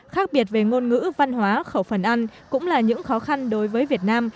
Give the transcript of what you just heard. khác biệt về ngôn ngữ văn hóa khẩu phần ăn cũng là những khó khăn đối với việt nam